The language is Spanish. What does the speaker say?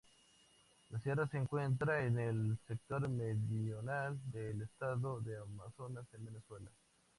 La sierra se encuentra en el sector meridional del estado de Amazonas en Venezuela.